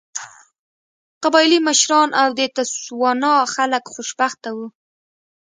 قبایلي مشران او د تسوانا خلک خوشبخته وو.